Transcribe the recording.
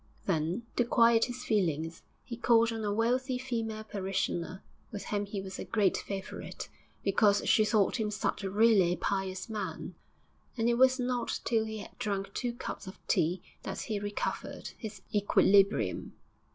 Then, to quiet his feelings, he called on a wealthy female parishioner, with whom he was a great favourite, because she thought him 'such a really pious man,' and it was not till he had drunk two cups of tea that he recovered his equilibrium.